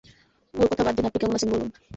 ওঁর কথা বাদ দিন, আপনি কেমন আছেন বলুন।